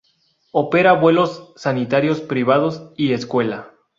Opera vuelos sanitarios, privados y escuela.